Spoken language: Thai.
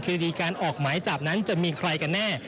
คือดีการออกหมายจับนั้นจะมีใครกันแน่